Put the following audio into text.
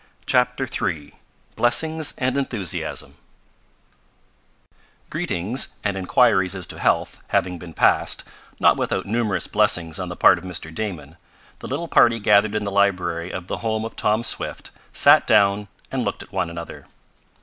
CHAPTER III BLESSINGS AND ENTHUSIASM Greetings and inquiries as to health having been passed, not without numerous blessings on the part of Mr. Damon, the little party gathered in the library of the home of Tom Swift sat down and looked at one another.